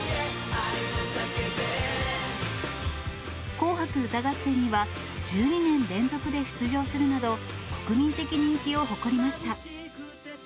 紅白歌合戦には、１２年連続で出場するなど、国民的人気を誇りました。